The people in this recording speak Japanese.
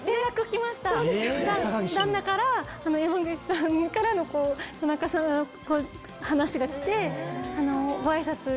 ・旦那から山口さんからの田中さんの話が来て。